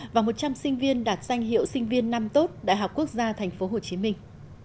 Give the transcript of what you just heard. và một trăm linh sinh viên đạt danh hiệu sinh viên năm tốt đại học quốc gia thành phố hồ chí minh